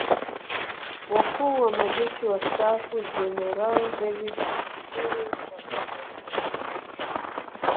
Wakuu wa Majeshi Wastaafu Jeneral David Msuguri na Joseph Waitara